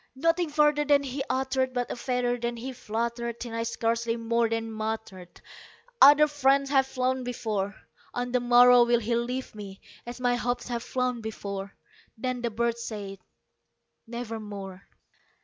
Nothing further then he uttered not a feather then he fluttered Till I scarcely more than muttered "Other friends have flown before On the morrow will he leave me, as my hopes have flown before." Then the bird said, "Nevermore."